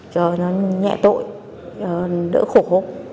và nhẹ tội đỡ khổ khốc